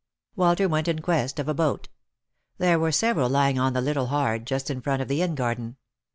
Walter went in quest of a boat. There were several lying on the little hard just in front of the inn garden.